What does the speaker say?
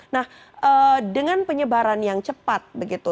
nah dengan penyebaran yang cepat begitu